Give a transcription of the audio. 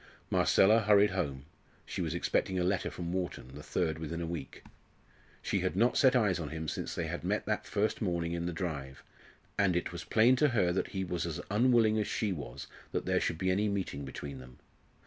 Marcella hurried home, she was expecting a letter from Wharton, the third within a week. She had not set eyes on him since they had met that first morning in the drive, and it was plain to her that he was as unwilling as she was that there should be any meeting between them.